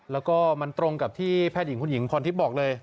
แล้วก็มันตรงกับที่แพทย์หญิงคุณหญิงพรทิพย์บอกเลย